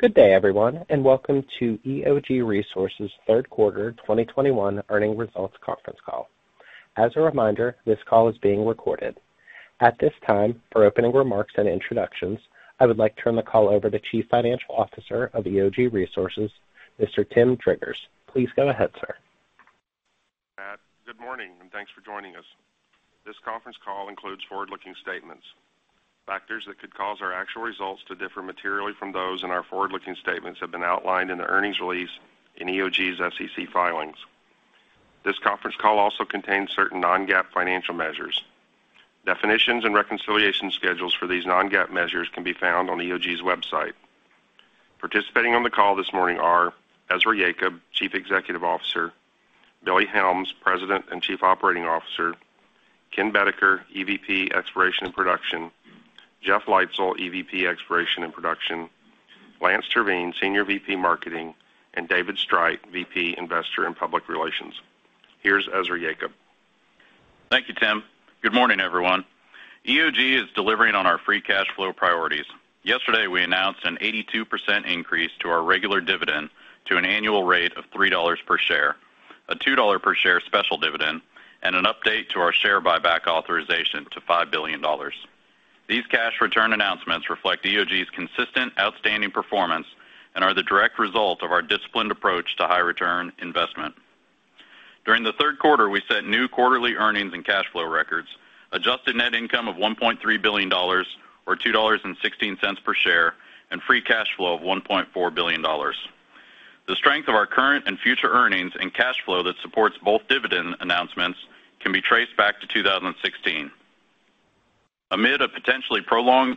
Good day, everyone, and welcome to EOG Resources third quarter 2021 earnings results conference call. As a reminder, this call is being recorded. At this time, for opening remarks and introductions, I would like to turn the call over to Chief Financial Officer of EOG Resources, Mr. Tim Driggers. Please go ahead, sir. Matt, good morning, and thanks for joining us. This conference call includes forward-looking statements. Factors that could cause our actual results to differ materially from those in our forward-looking statements have been outlined in the earnings release in EOG's SEC filings. This conference call also contains certain non-GAAP financial measures. Definitions and reconciliation schedules for these non-GAAP measures can be found on EOG's website. Participating on the call this morning are Ezra Yacob, Chief Executive Officer, Billy Helms, President and Chief Operating Officer, Ken Boedeker, EVP, Exploration and Production, Jeff Leitzell, EVP, Exploration and Production, Lance Terveen, Senior VP, Marketing, and David Streit, VP, Investor and Public Relations. Here's Ezra Yacob. Thank you, Tim. Good morning, everyone. EOG is delivering on our free cash flow priorities. Yesterday, we announced an 82% increase to our regular dividend to an annual rate of $3 per share, a $2 per share special dividend, and an update to our share buyback authorization to $5 billion. These cash return announcements reflect EOG's consistent outstanding performance and are the direct result of our disciplined approach to high return investment. During the third quarter, we set new quarterly earnings and cash flow records, adjusted net income of $1.3 billion or $2.16 per share, and free cash flow of $1.4 billion. The strength of our current and future earnings and cash flow that supports both dividend announcements can be traced back to 2016. Amid a potentially prolonged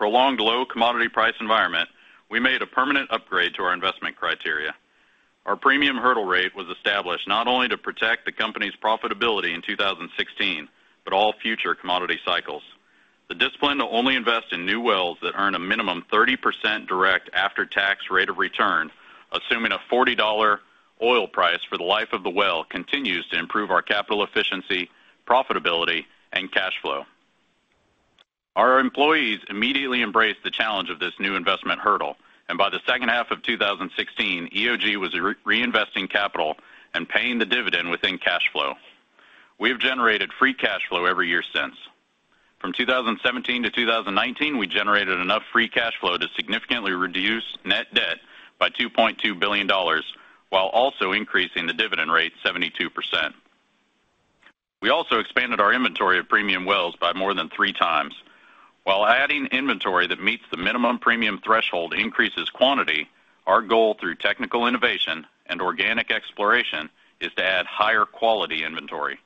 low commodity price environment, we made a permanent upgrade to our investment criteria. Our Premium hurdle rate was established not only to protect the company's profitability in 2016, but all future commodity cycles. The discipline to only invest in new wells that earn a minimum 30% direct after-tax rate of return, assuming a $40 oil price for the life of the well, continues to improve our capital efficiency, profitability, and cash flow. Our employees immediately embraced the challenge of this new investment hurdle, and by the second half of 2016, EOG was reinvesting capital and paying the dividend within cash flow. We have generated free cash flow every year since. From 2017 to 2019, we generated enough free cash flow to significantly reduce net debt by $2.2 billion, while also increasing the dividend rate 72%. We also expanded our inventory of premium wells by more than 3 times. While adding inventory that meets the minimum premium threshold increases quantity, our goal through technical innovation and organic exploration is to add higher quality inventory.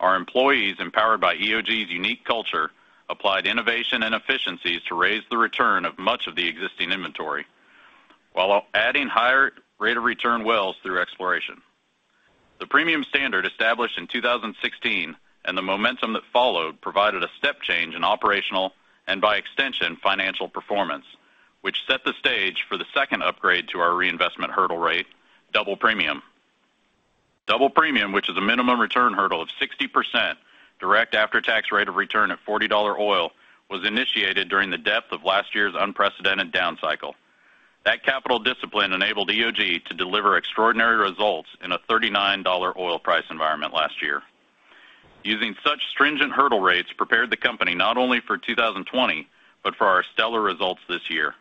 Our employees, empowered by EOG's unique culture, applied innovation and efficiencies to raise the return of much of the existing inventory while adding higher rate of return wells through exploration. The premium standard established in 2016 and the momentum that followed provided a step change in operational and by extension, financial performance, which set the stage for the second upgrade to our reinvestment hurdle rate, Double Premium. Double Premium, which is a minimum return hurdle of 60% direct after-tax rate of return at $40 oil, was initiated during the depth of last year's unprecedented down cycle. That capital discipline enabled EOG to deliver extraordinary results in a $39 oil price environment last year. Using such stringent hurdle rates prepared the company not only for 2020, but for our stellar results this year.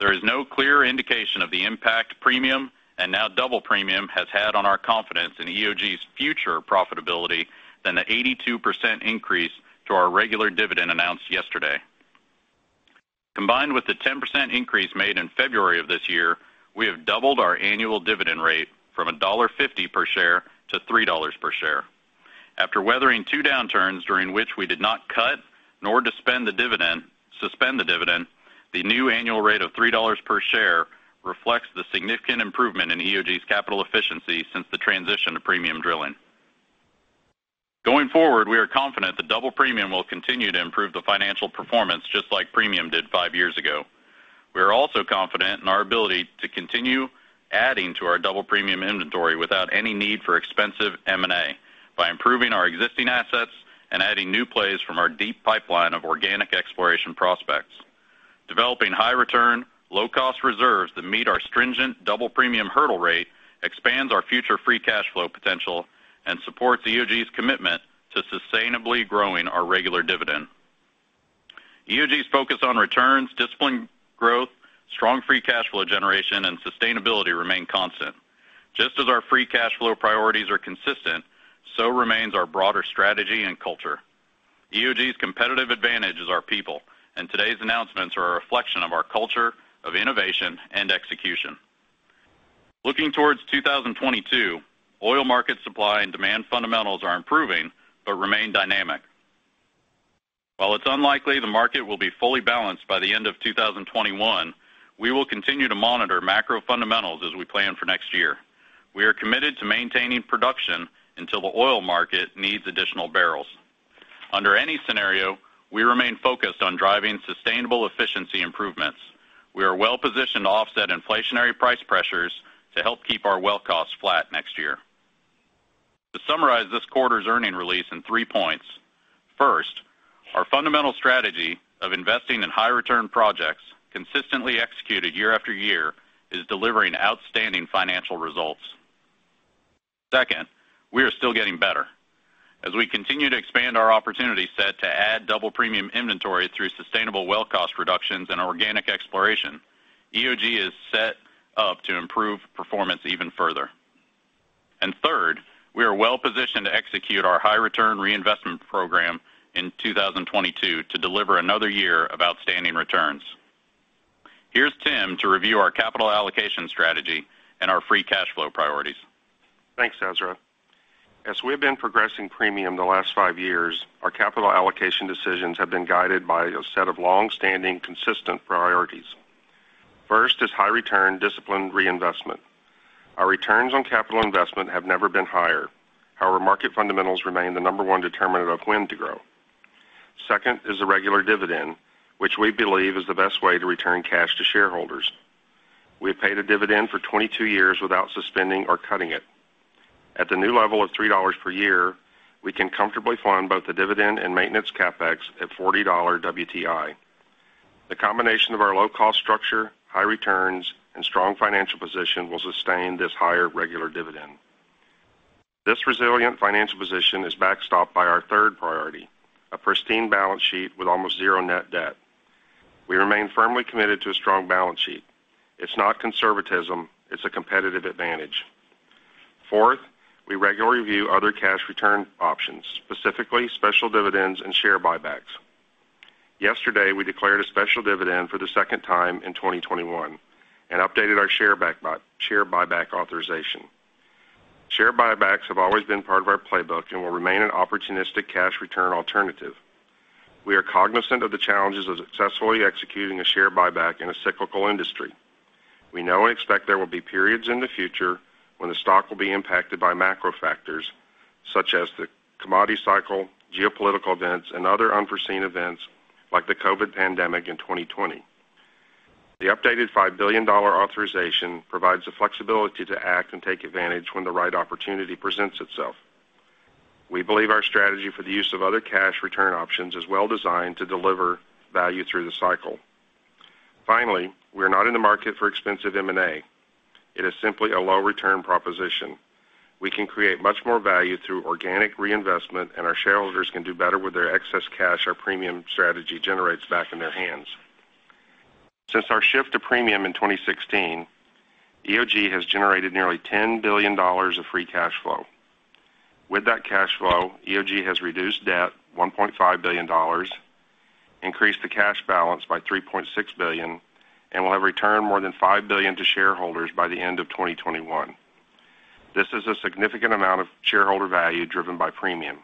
There is no clearer indication of the impact Premium and now Double Premium has had on our confidence in EOG's future profitability than the 82% increase to our regular dividend announced yesterday. Combined with the 10% increase made in February of this year, we have doubled our annual dividend rate from $1.50 per share to $3 per share. After weathering two downturns during which we did not cut nor suspend the dividend, the new annual rate of $3 per share reflects the significant improvement in EOG's capital efficiency since the transition to Premium drilling. Going forward, we are confident that Double Premium will continue to improve the financial performance just like Premium did five years ago. We are also confident in our ability to continue adding to our Double Premium inventory without any need for expensive M&A by improving our existing assets and adding new plays from our deep pipeline of organic exploration prospects. Developing high return, low cost reserves that meet our stringent Double Premium hurdle rate expands our future free cash flow potential and supports EOG's commitment to sustainably growing our regular dividend. EOG's focus on returns, disciplined growth, strong free cash flow generation, and sustainability remain constant. Just as our free cash flow priorities are consistent, so remains our broader strategy and culture. EOG's competitive advantage is our people, and today's announcements are a reflection of our culture of innovation and execution. Looking towards 2022, oil market supply and demand fundamentals are improving but remain dynamic. While it's unlikely the market will be fully balanced by the end of 2021, we will continue to monitor macro fundamentals as we plan for next year. We are committed to maintaining production until the oil market needs additional barrels. Under any scenario, we remain focused on driving sustainable efficiency improvements. We are well-positioned to offset inflationary price pressures to help keep our well costs flat next year. To summarize this quarter's earnings release in three points: First, our fundamental strategy of investing in high return projects consistently executed year after year is delivering outstanding financial results. Second, we are still getting better. As we continue to expand our opportunity set to add Double Premium inventory through sustainable well cost reductions and organic exploration, EOG is set up to improve performance even further. Third, we are well-positioned to execute our high return reinvestment program in 2022 to deliver another year of outstanding returns. Here's Tim to review our capital allocation strategy and our free cash flow priorities. Thanks, Ezra. As we have been progressing Premium the last five years, our capital allocation decisions have been guided by a set of long-standing, consistent priorities. First is high return discipline reinvestment. Our returns on capital investment have never been higher. However, market fundamentals remain the number one determinant of when to grow. Second is a regular dividend, which we believe is the best way to return cash to shareholders. We have paid a dividend for 22 years without suspending or cutting it. At the new level of $3 per year, we can comfortably fund both the dividend and maintenance CapEx at $40 WTI. The combination of our low-cost structure, high returns, and strong financial position will sustain this higher regular dividend. This resilient financial position is backstopped by our third priority, a pristine balance sheet with almost zero net debt. We remain firmly committed to a strong balance sheet. It's not conservatism, it's a competitive advantage. Fourth, we regularly review other cash return options, specifically special dividends and share buybacks. Yesterday, we declared a special dividend for the second time in 2021 and updated our share buyback authorization. Share buybacks have always been part of our playbook and will remain an opportunistic cash return alternative. We are cognizant of the challenges of successfully executing a share buyback in a cyclical industry. We know and expect there will be periods in the future when the stock will be impacted by macro factors such as the commodity cycle, geopolitical events, and other unforeseen events like the COVID pandemic in 2020. The updated $5 billion authorization provides the flexibility to act and take advantage when the right opportunity presents itself. We believe our strategy for the use of other cash return options is well-designed to deliver value through the cycle. Finally, we are not in the market for expensive M&A. It is simply a low return proposition. We can create much more value through organic reinvestment, and our shareholders can do better with their excess cash our Premium strategy generates back in their hands. Since our shift to Premium in 2016, EOG has generated nearly $10 billion of free cash flow. With that cash flow, EOG has reduced debt $1.5 billion, increased the cash balance by $3.6 billion, and will have returned more than $5 billion to shareholders by the end of 2021. This is a significant amount of shareholder value driven by Premium.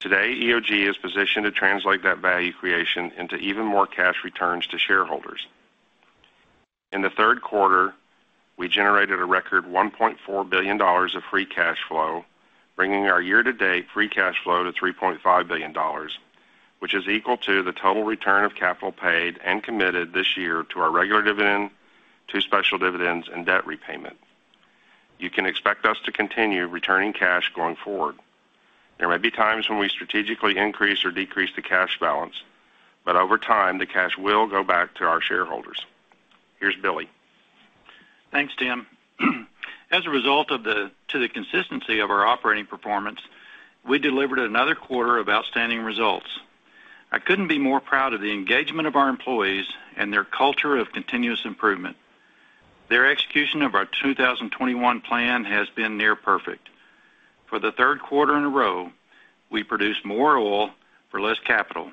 Today, EOG is positioned to translate that value creation into even more cash returns to shareholders. In the third quarter, we generated a record $1.4 billion of free cash flow, bringing our year-to-date free cash flow to $3.5 billion, which is equal to the total return of capital paid and committed this year to our regular dividend to special dividends and debt repayment. You can expect us to continue returning cash going forward. There may be times when we strategically increase or decrease the cash balance, but over time, the cash will go back to our shareholders. Here's Billy. Thanks, Tim. As a result of the consistency of our operating performance, we delivered another quarter of outstanding results. I couldn't be more proud of the engagement of our employees and their culture of continuous improvement. Their execution of our 2021 plan has been near perfect. For the third quarter in a row, we produced more oil for less capital.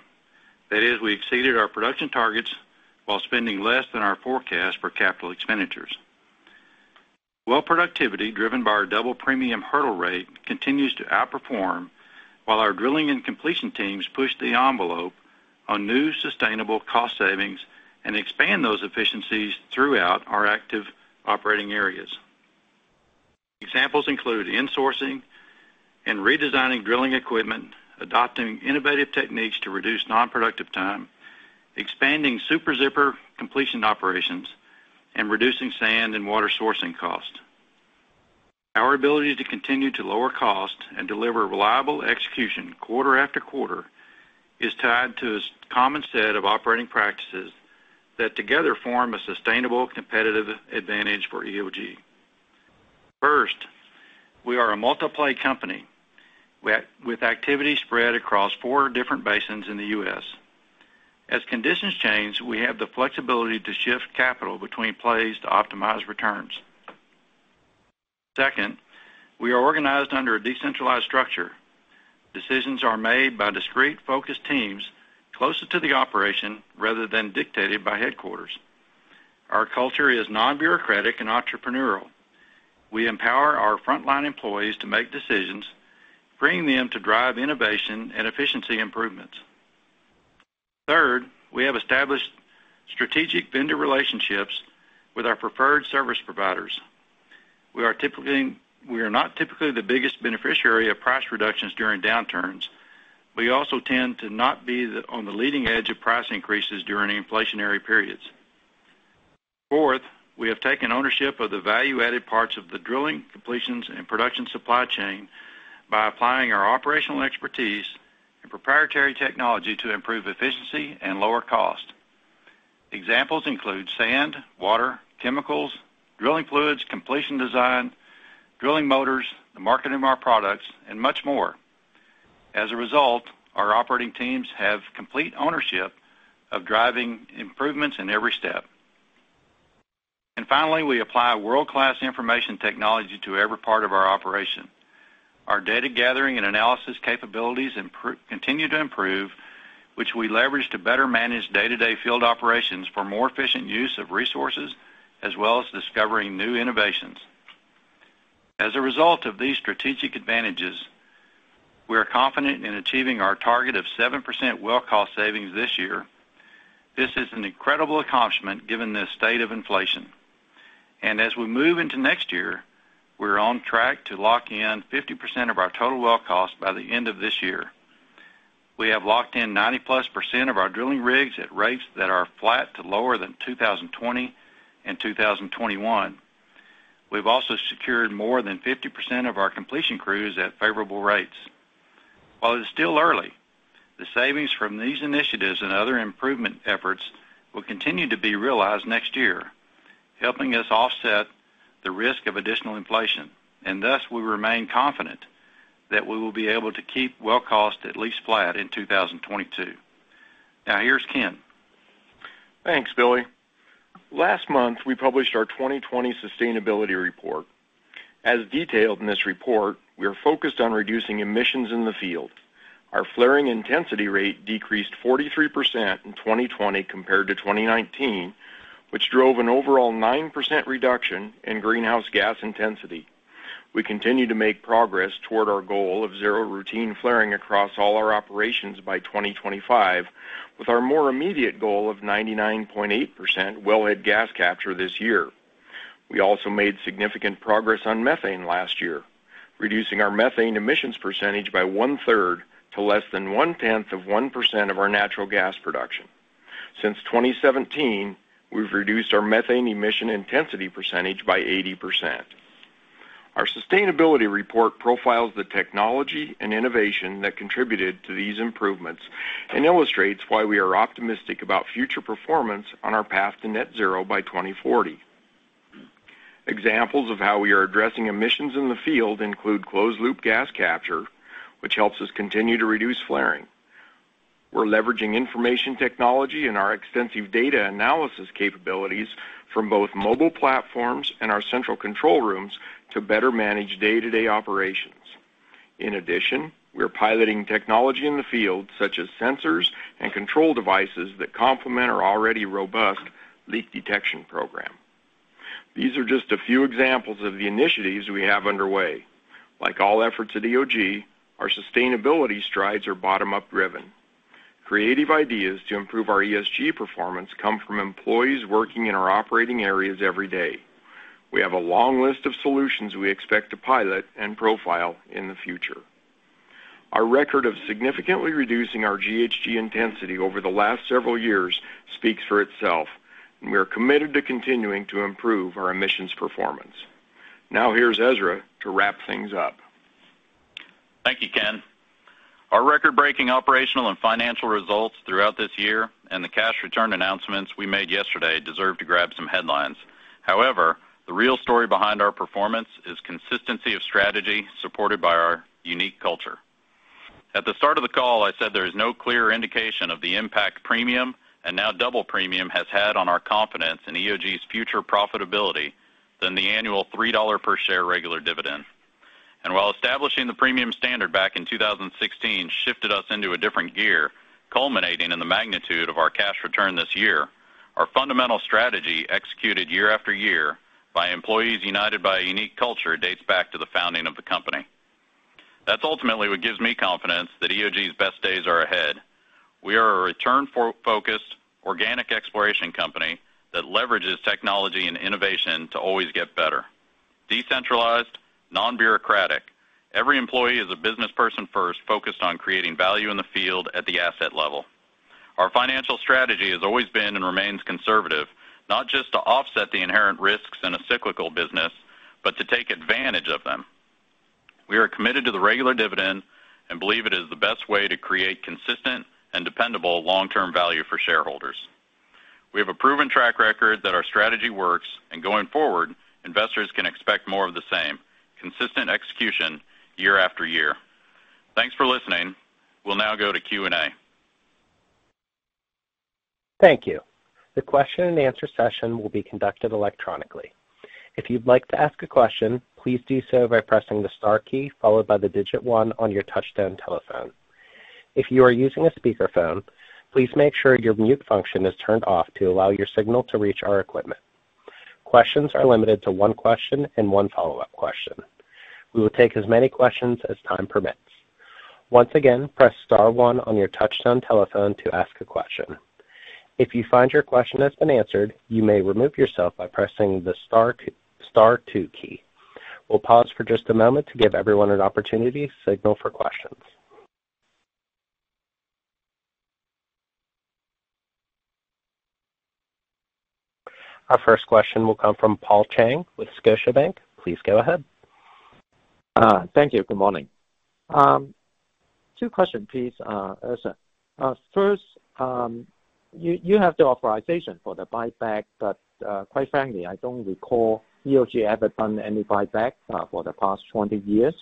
That is, we exceeded our production targets while spending less than our forecast for capital expenditures. Well productivity, driven by our Double Premium hurdle rate, continues to outperform, while our drilling and completion teams push the envelope on new sustainable cost savings and expand those efficiencies throughout our active operating areas. Examples include insourcing and redesigning drilling equipment, adopting innovative techniques to reduce non-productive time, expanding Super Zipper completion operations, and reducing sand and water sourcing costs. Our ability to continue to lower cost and deliver reliable execution quarter after quarter is tied to a common set of operating practices that together form a sustainable competitive advantage for EOG. First, we are a multi-play company with activity spread across four different basins in the U.S. As conditions change, we have the flexibility to shift capital between plays to optimize returns. Second, we are organized under a decentralized structure. Decisions are made by discrete focused teams closer to the operation rather than dictated by headquarters. Our culture is non-bureaucratic and entrepreneurial. We empower our frontline employees to make decisions, freeing them to drive innovation and efficiency improvements. Third, we have established strategic vendor relationships with our preferred service providers. We are not typically the biggest beneficiary of price reductions during downturns. We also tend to not be on the leading edge of price increases during inflationary periods. Fourth, we have taken ownership of the value-added parts of the drilling completions and production supply chain by applying our operational expertise and proprietary technology to improve efficiency and lower cost. Examples include sand, water, chemicals, drilling fluids, completion design, drilling motors, the marketing of our products, and much more. As a result, our operating teams have complete ownership of driving improvements in every step. Finally, we apply world-class information technology to every part of our operation. Our data gathering and analysis capabilities continue to improve, which we leverage to better manage day-to-day field operations for more efficient use of resources, as well as discovering new innovations. As a result of these strategic advantages, we are confident in achieving our target of 7% well cost savings this year. This is an incredible accomplishment given the state of inflation. As we move into next year, we're on track to lock in 50% of our total well cost by the end of this year. We have locked in 90+% of our drilling rigs at rates that are flat to lower than 2020 and 2021. We've also secured more than 50% of our completion crews at favorable rates. While it's still early, the savings from these initiatives and other improvement efforts will continue to be realized next year, helping us offset the risk of additional inflation, and thus we remain confident that we will be able to keep well cost at least flat in 2022. Now, here's Ken. Thanks, Billy. Last month, we published our 2020 sustainability report. As detailed in this report, we are focused on reducing emissions in the field. Our flaring intensity rate decreased 43% in 2020 compared to 2019, which drove an overall 9% reduction in greenhouse gas intensity. We continue to make progress toward our goal of zero routine flaring across all our operations by 2025, with our more immediate goal of 99.8% wellhead gas capture this year. We also made significant progress on methane last year, reducing our methane emissions percentage by one-third to less than 0.1% of our natural gas production. Since 2017, we've reduced our methane emission intensity percentage by 80%. Our sustainability report profiles the technology and innovation that contributed to these improvements and illustrates why we are optimistic about future performance on our path to net zero by 2040. Examples of how we are addressing emissions in the field include closed loop gas capture, which helps us continue to reduce flaring. We're leveraging information technology and our extensive data analysis capabilities from both mobile platforms and our central control rooms to better manage day-to-day operations. In addition, we are piloting technology in the field, such as sensors and control devices that complement our already robust leak detection program. These are just a few examples of the initiatives we have underway. Like all efforts at EOG, our sustainability strides are bottom-up driven. Creative ideas to improve our ESG performance come from employees working in our operating areas every day. We have a long list of solutions we expect to pilot and profile in the future. Our record of significantly reducing our GHG intensity over the last several years speaks for itself, and we are committed to continuing to improve our emissions performance. Now here's Ezra to wrap things up. Thank you, Ken. Our record-breaking operational and financial results throughout this year and the cash return announcements we made yesterday deserve to grab some headlines. However, the real story behind our performance is consistency of strategy supported by our unique culture. At the start of the call, I said there is no clearer indication of the impact Premium and now Double Premium has had on our confidence in EOG's future profitability than the annual $3 per share regular dividend. While establishing the Premium standard back in 2016 shifted us into a different gear, culminating in the magnitude of our cash return this year, our fundamental strategy executed year after year by employees united by a unique culture dates back to the founding of the company. That's ultimately what gives me confidence that EOG's best days are ahead. We are a return-focused organic exploration company that leverages technology and innovation to always get better, decentralized, non-bureaucratic, every employee is a business person first focused on creating value in the field at the asset level. Our financial strategy has always been and remains conservative, not just to offset the inherent risks in a cyclical business, but to take advantage of them. We are committed to the regular dividend and believe it is the best way to create consistent and dependable long-term value for shareholders. We have a proven track record that our strategy works, and going forward, investors can expect more of the same, consistent execution year after year. Thanks for listening. We'll now go to Q&A. Thank you. The question and answer session will be conducted electronically. If you'd like to ask a question, please do so by pressing the star key followed by the digit one on your touch-tone telephone. If you are using a speakerphone, please make sure your mute function is turned off to allow your signal to reach our equipment. Questions are limited to one question and one follow-up question. We will take as many questions as time permits. Once again, press star one on your touch-tone telephone to ask a question. If you find your question has been answered, you may remove yourself by pressing the star two, star two key. We'll pause for just a moment to give everyone an opportunity to signal for questions. Our first question will come from Paul Cheng with Scotiabank. Please go ahead. Thank you. Good morning. Two questions, please, Ezra. First, you have the authorization for the buyback, but quite frankly, I don't recall EOG ever done any buyback for the past 20 years.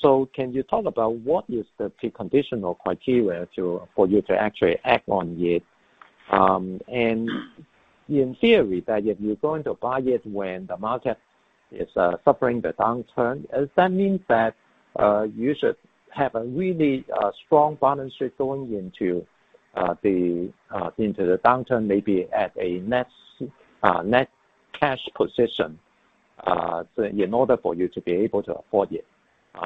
So can you talk about what is the precondition or criteria for you to actually act on it? And in theory that if you're going to buy it when the market is suffering the downturn, does that mean that you should have a really strong balance sheet going into the downturn, maybe at a net cash position, so in order for you to be able to afford it?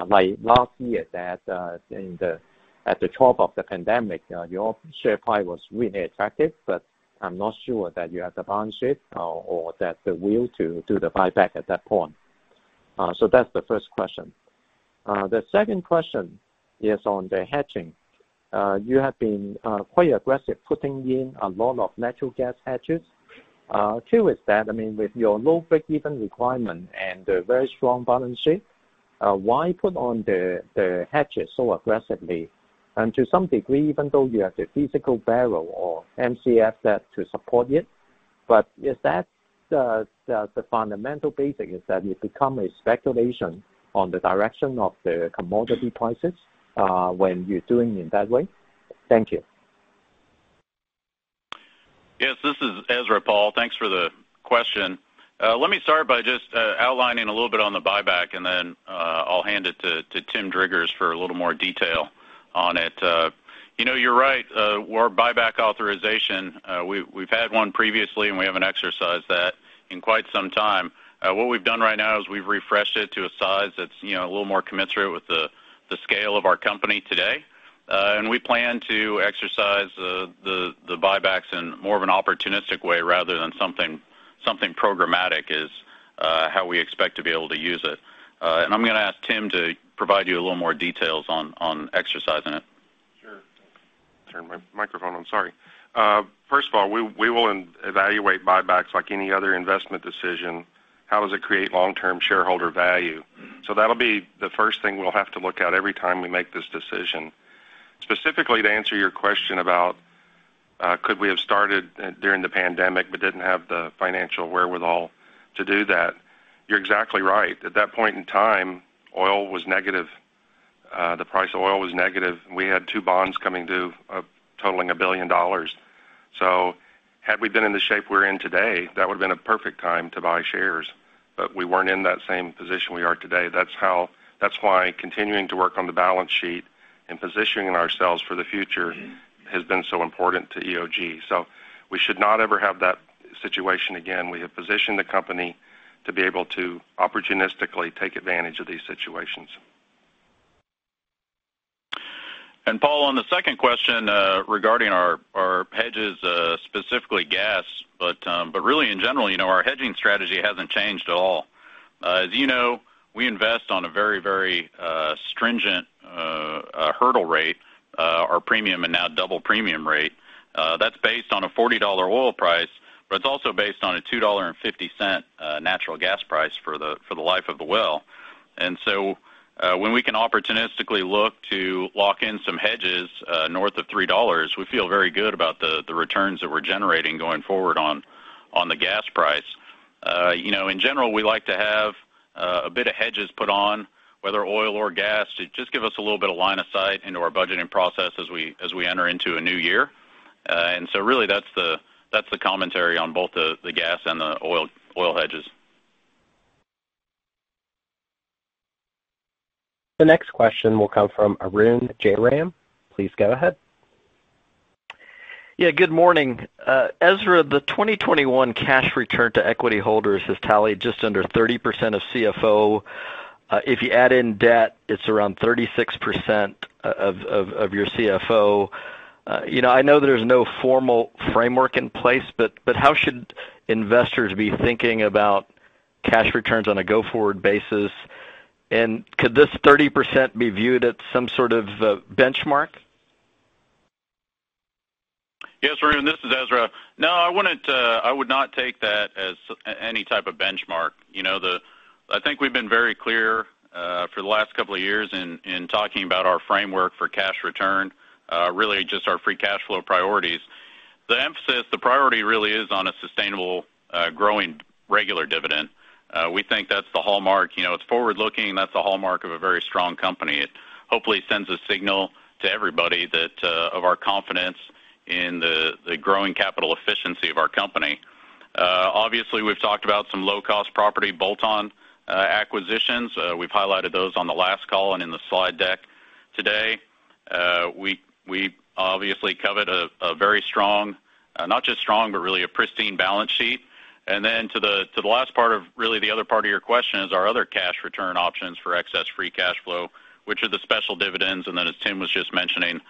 Like last year, at the top of the pandemic, your share price was really attractive, but I'm not sure that you have the balance sheet or the will to do the buyback at that point. So that's the first question. The second question is on the hedging. You have been quite aggressive putting in a lot of natural gas hedges. Truth is that, I mean, with your low break-even requirement and the very strong balance sheet, why put on the hedges so aggressively? To some degree, even though you have the physical barrel or MCF set to support it, but is that the fundamental basis, that you become a speculation on the direction of the commodity prices, when you're doing it that way? Thank you. Yes, this is Ezra, Paul. Thanks for the question. Let me start by just outlining a little bit on the buyback, and then I'll hand it to Tim Driggers for a little more detail on it. You know, you're right. Our buyback authorization, we've had one previously, and we haven't exercised that in quite some time. What we've done right now is we've refreshed it to a size that's, you know, a little more commensurate with the scale of our company today. We plan to exercise the buybacks in more of an opportunistic way rather than something programmatic is how we expect to be able to use it. I'm gonna ask Tim to provide you a little more details on exercising it. Sure. First of all, we will evaluate buybacks like any other investment decision. How does it create long-term shareholder value? That'll be the first thing we'll have to look at every time we make this decision. Specifically, to answer your question about could we have started during the pandemic but didn't have the financial wherewithal to do that, you're exactly right. At that point in time, oil was negative. The price of oil was negative, and we had two bonds coming due, totaling $1 billion. Had we been in the shape we're in today, that would've been a perfect time to buy shares, but we weren't in that same position we are today. That's why continuing to work on the balance sheet and positioning ourselves for the future has been so important to EOG. We should not ever have that situation again. We have positioned the company to be able to opportunistically take advantage of these situations. Paul, on the second question, regarding our hedges, specifically gas, but really in general, you know, our hedging strategy hasn't changed at all. As you know, we invest on a very stringent hurdle rate, or Premium and now Double Premium rate. That's based on a $40 oil price, but it's also based on a $2.50 natural gas price for the life of the well. When we can opportunistically look to lock in some hedges north of $3, we feel very good about the returns that we're generating going forward on the gas price. You know, in general, we like to have a bit of hedges put on whether oil or gas to just give us a little bit of line of sight into our budgeting process as we enter into a new year. Really that's the commentary on both the gas and the oil hedges. The next question will come from Arun Jayaram. Please go ahead. Yeah, good morning. Ezra, the 2021 cash return to equity holders has tallied just under 30% of CFO. If you add in debt, it's around 36% of your CFO. You know, I know there's no formal framework in place, but how should investors be thinking about cash returns on a go-forward basis? Could this 30% be viewed as some sort of a benchmark? Yes, Arun, this is Ezra. No, I wouldn't, I would not take that as any type of benchmark. You know, I think we've been very clear, for the last couple of years in talking about our framework for cash return, really just our free cash flow priorities. The emphasis, the priority really is on a sustainable, growing regular dividend. We think that's the hallmark. You know, it's forward-looking. That's the hallmark of a very strong company. It hopefully sends a signal to everybody that, of our confidence in the growing capital efficiency of our company. Obviously, we've talked about some low-cost property bolt-on acquisitions. We've highlighted those on the last call and in the slide deck today. We obviously covet a very strong, not just strong, but really a pristine balance sheet. The last part of really the other part of your question is our other cash return options for excess free cash flow, which are the special dividends, and then as Tim was just mentioning,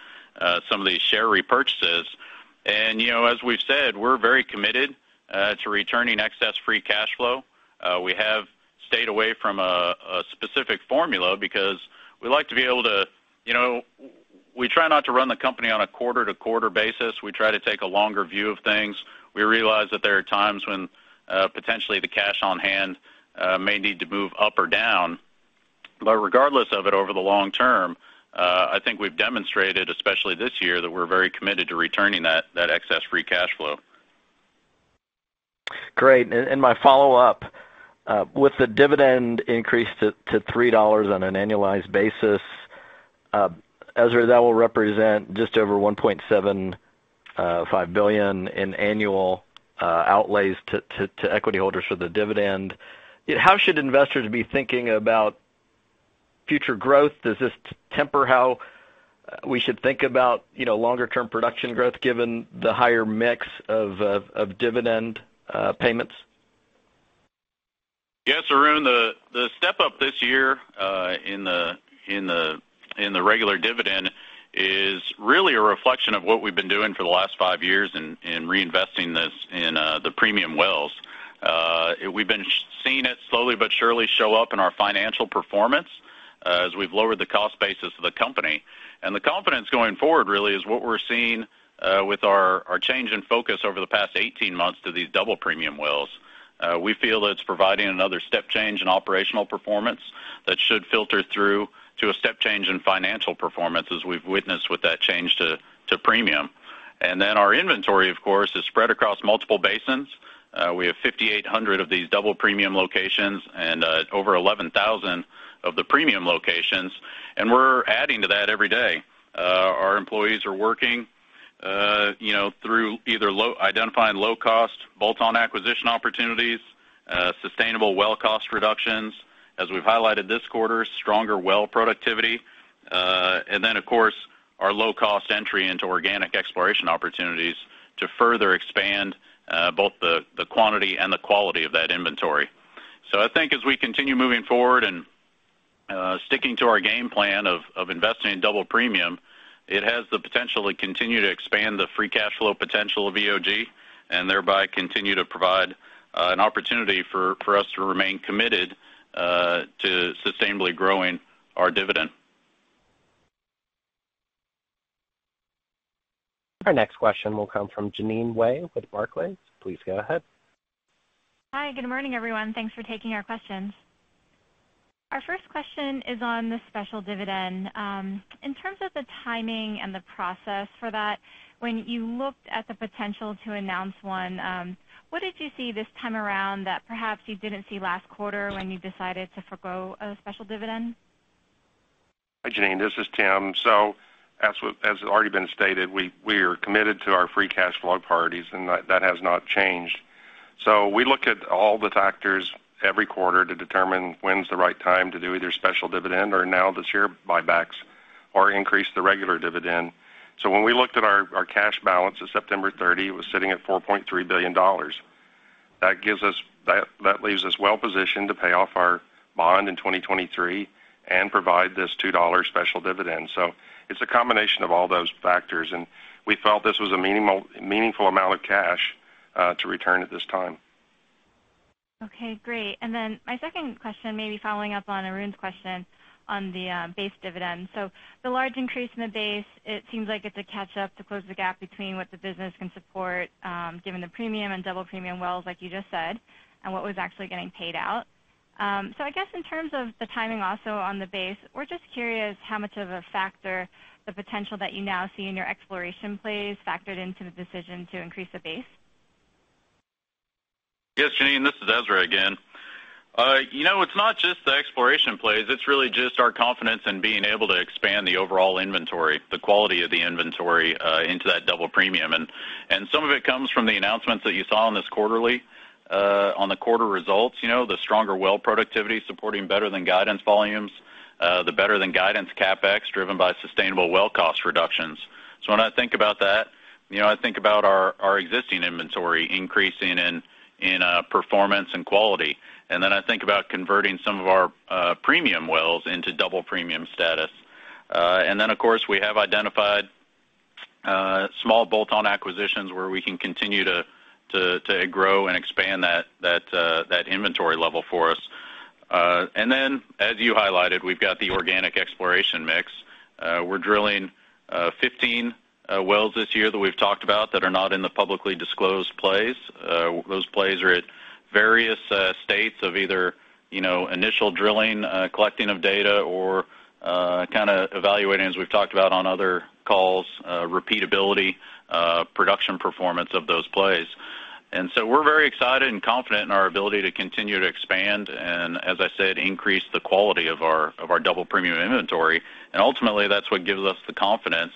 some of these share repurchases. You know, as we've said, we're very committed to returning excess free cash flow. We have stayed away from a specific formula because we like to be able to. You know, we try not to run the company on a quarter-to-quarter basis. We try to take a longer view of things. We realize that there are times when potentially the cash on hand may need to move up or down. But regardless of it over the long term, I think we've demonstrated, especially this year, that we're very committed to returning that excess free cash flow. Great. My follow-up, with the dividend increase to $3 on an annualized basis, Ezra, that will represent just over $1.75 billion in annual outlays to equity holders for the dividend. How should investors be thinking about future growth? Does this temper how we should think about, you know, longer-term production growth given the higher mix of dividend payments? Yes, Arun, the step-up this year in the regular dividend is really a reflection of what we've been doing for the last 5 years in reinvesting this in the Premium wells. We've been seeing it slowly but surely show up in our financial performance as we've lowered the cost basis of the company. The confidence going forward really is what we're seeing with our change in focus over the past 18 months to these double Premium wells. We feel it's providing another step change in operational performance that should filter through to a step change in financial performance as we've witnessed with that change to Premium. Then our inventory, of course, is spread across multiple basins. We have 5,800 of these Double Premium locations and over 11,000 of the Premium locations, and we're adding to that every day. Our employees are working, you know, identifying low-cost, bolt-on acquisition opportunities, sustainable well cost reductions. As we've highlighted this quarter, stronger well productivity, and then of course, our low-cost entry into organic exploration opportunities to further expand both the quantity and the quality of that inventory. I think as we continue moving forward and sticking to our game plan of investing in Double Premium, it has the potential to continue to expand the free cash flow potential of EOG and thereby continue to provide an opportunity for us to remain committed to sustainably growing our dividend. Our next question will come from Jeanine Wai with Barclays. Please go ahead. Hi, good morning, everyone. Thanks for taking our questions. Our first question is on the special dividend. In terms of the timing and the process for that, when you looked at the potential to announce one, what did you see this time around that perhaps you didn't see last quarter when you decided to forego a special dividend? Hi, Jeannine, this is Tim. As already been stated, we are committed to our free cash flow priorities, and that has not changed. We look at all the factors every quarter to determine when's the right time to do either special dividend or now the share buybacks or increase the regular dividend. When we looked at our cash balance at September 30, it was sitting at $4.3 billion. That leaves us well positioned to pay off our bond in 2023 and provide this $2 special dividend. It's a combination of all those factors, and we felt this was a meaningful amount of cash to return at this time. Okay, great. My second question may be following up on Arun's question on the base dividend. The large increase in the base, it seems like it's a catch up to close the gap between what the business can support, given the Premium and Double Premium wells, like you just said, and what was actually getting paid out. I guess in terms of the timing also on the base, we're just curious how much of a factor the potential that you now see in your exploration plays factored into the decision to increase the base. Yes, Jeanine, this is Ezra again. You know, it's not just the exploration plays. It's really just our confidence in being able to expand the overall inventory, the quality of the inventory, into that Double Premium. Some of it comes from the announcements that you saw on this quarterly, on the quarter results, you know, the stronger well productivity supporting better than guidance volumes, the better than guidance CapEx driven by sustainable well cost reductions. When I think about that, you know, I think about our existing inventory increasing in performance and quality. I think about converting some of our Premium wells into Double Premium status. Of course, we have identified small bolt-on acquisitions where we can continue to grow and expand that inventory level for us. As you highlighted, we've got the organic exploration mix. We're drilling 15 wells this year that we've talked about that are not in the publicly disclosed plays. Those plays are at various states of either, you know, initial drilling, collecting of data or kinda evaluating, as we've talked about on other calls, repeatability, production performance of those plays. We're very excited and confident in our ability to continue to expand and, as I said, increase the quality of our Double Premium inventory. Ultimately, that's what gives us the confidence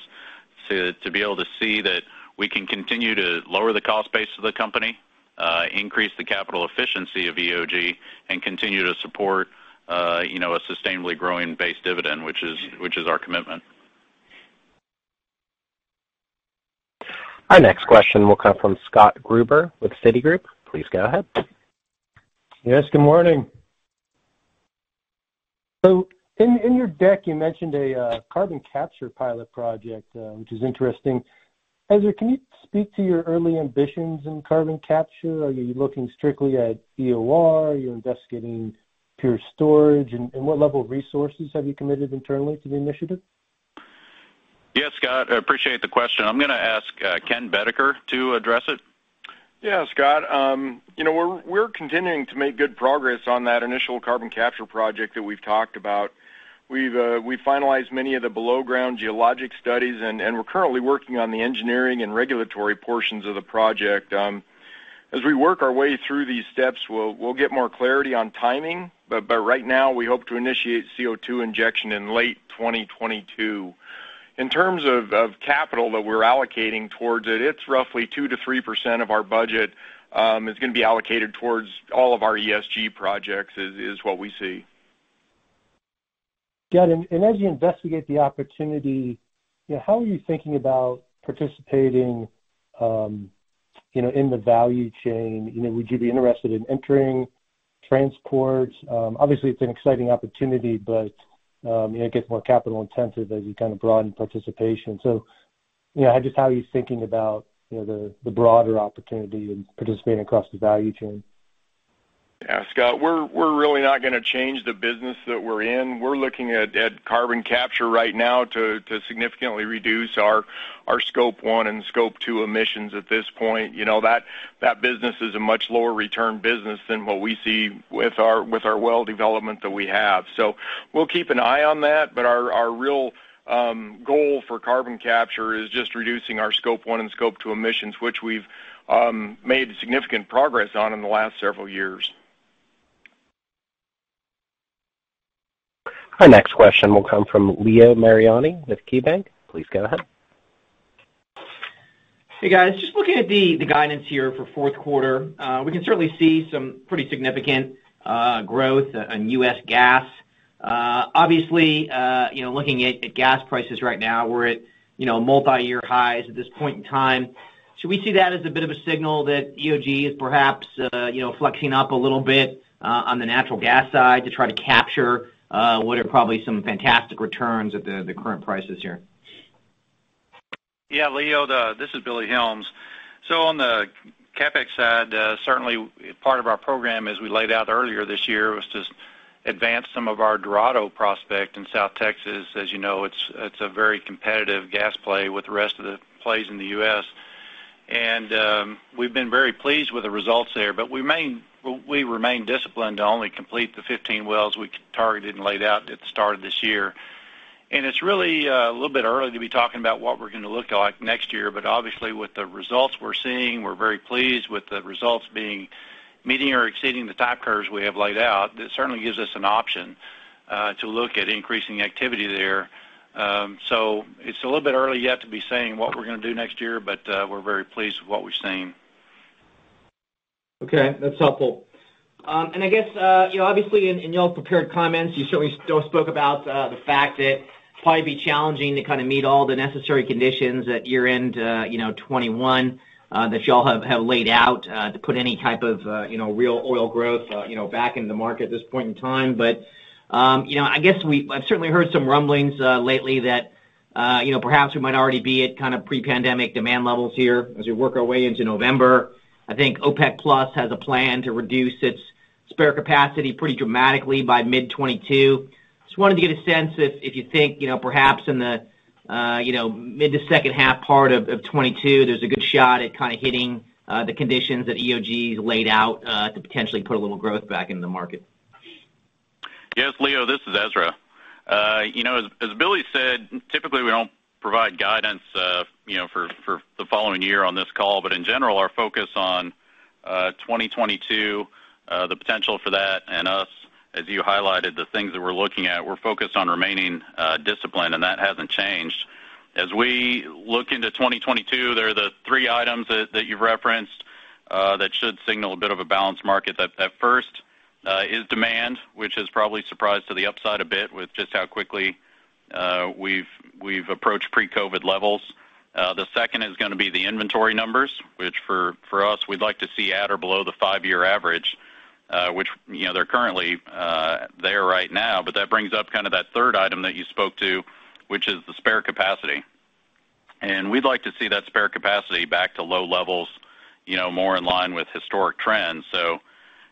to be able to see that we can continue to lower the cost base of the company, increase the capital efficiency of EOG, and continue to support, you know, a sustainably growing base dividend, which is our commitment. Our next question will come from Scott Gruber with Citigroup. Please go ahead. Yes, good morning. In your deck, you mentioned a carbon capture pilot project, which is interesting. Ezra, can you speak to your early ambitions in carbon capture? Are you looking strictly at EOR? Are you investigating pure storage? And what level of resources have you committed internally to the initiative? Yes, Scott, I appreciate the question. I'm gonna ask Ken Boedeker to address it. Yeah, Scott. You know, we're continuing to make good progress on that initial carbon capture project that we've talked about. We've finalized many of the below ground geologic studies and we're currently working on the engineering and regulatory portions of the project. As we work our way through these steps, we'll get more clarity on timing, but right now, we hope to initiate CO2 injection in late 2022. In terms of capital that we're allocating towards it's roughly 2%-3% of our budget is gonna be allocated towards all of our ESG projects, is what we see. Got it. As you investigate the opportunity, you know, how are you thinking about participating, you know, in the value chain? You know, would you be interested in entering transport? Obviously, it's an exciting opportunity, but, you know, it gets more capital intensive as you kind of broaden participation. You know, just how are you thinking about, you know, the broader opportunity in participating across the value chain? Yeah, Scott, we're really not gonna change the business that we're in. We're looking at carbon capture right now to significantly reduce our Scope 1 and Scope 2 emissions at this point. You know, that business is a much lower return business than what we see with our well development that we have. So we'll keep an eye on that, but our real goal for carbon capture is just reducing our Scope 1 and Scope 2 emissions, which we've made significant progress on in the last several years. Our next question will come from Leo Mariani with KeyBanc. Please go ahead. Hey, guys. Just looking at the guidance here for fourth quarter, we can certainly see some pretty significant growth on U.S. gas. Obviously, you know, looking at gas prices right now, we're at you know, multi-year highs at this point in time. Should we see that as a bit of a signal that EOG is perhaps you know, flexing up a little bit on the natural gas side to try to capture what are probably some fantastic returns at the current prices here? Yeah, Leo, this is Billy Helms. On the CapEx side, certainly part of our program as we laid out earlier this year, was to advance some of our Dorado prospect in South Texas. As you know, it's a very competitive gas play with the rest of the plays in the U.S. We've been very pleased with the results there, but we remain disciplined to only complete the 15 wells we targeted and laid out at the start of this year. It's really a little bit early to be talking about what we're gonna look like next year. Obviously, with the results we're seeing, we're very pleased with the results being meeting or exceeding the type curves we have laid out. That certainly gives us an option to look at increasing activity there. It's a little bit early yet to be saying what we're gonna do next year, but we're very pleased with what we're seeing. Okay, that's helpful. And I guess, you know, obviously in y'all's prepared comments, you certainly still spoke about the fact that it'd probably be challenging to kind of meet all the necessary conditions at year-end 2021, you know, that y'all have laid out to put any type of, you know, real oil growth, you know, back into the market at this point in time. You know, I guess I've certainly heard some rumblings lately that, you know, perhaps we might already be at kind of pre-pandemic demand levels here as we work our way into November. I think OPEC+ has a plan to reduce its spare capacity pretty dramatically by mid-2022. Just wanted to get a sense if you think, you know, perhaps in the mid to second half part of 2022, there's a good shot at kind of hitting the conditions that EOG's laid out to potentially put a little growth back in the market. Yes, Leo, this is Ezra. You know, as Billy said, typically we don't provide guidance, you know, for the following year on this call. In general, our focus on 2022, the potential for that and us, as you highlighted the things that we're looking at, we're focused on remaining disciplined, and that hasn't changed. As we look into 2022, there are the three items that you've referenced that should signal a bit of a balanced market. That first is demand, which has probably surprised to the upside a bit with just how quickly we've approached pre-COVID levels. The second is gonna be the inventory numbers, which for us, we'd like to see at or below the five-year average, which, you know, they're currently there right now. That brings up kind of that third item that you spoke to, which is the spare capacity. We'd like to see that spare capacity back to low levels, you know, more in line with historic trends.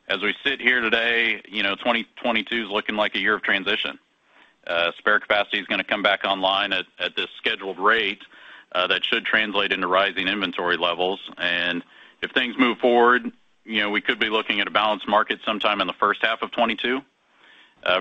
As we sit here today, you know, 2022 is looking like a year of transition. Spare capacity is gonna come back online at this scheduled rate, that should translate into rising inventory levels. If things move forward, you know, we could be looking at a balanced market sometime in the first half of 2022.